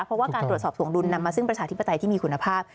เพราะว่าการตรวจสอบถวงดุลนำมาซึ่งประชาธิปไตยที่มีคุณภาพ